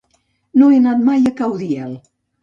No he anat mai a Caudiel.